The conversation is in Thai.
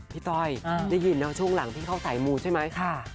พี่ต้อยได้ยินแล้วช่วงหลังที่เขาใส่มูดใช่ไหม